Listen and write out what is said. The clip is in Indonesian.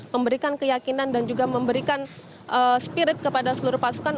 memberikan keyakinan dan juga memberikan spirit kepada seluruh pasukan